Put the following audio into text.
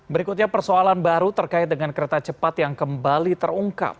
berikutnya persoalan baru terkait dengan kereta cepat yang kembali terungkap